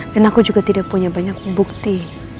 dan aku juga tidak punya banyak bukti